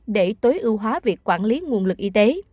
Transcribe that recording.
để tối ưu hóa việc quản lý nguồn lực y tế